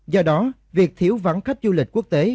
do đó việc thiếu vắng khách du lịch quốc tế